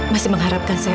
masih mengharapkan saya